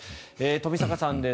冨坂さんです。